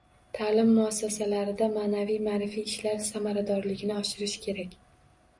Ta’lim muassasalarida ma’naviy-ma’rifiy ishlar samaradorligini oshirish kerak.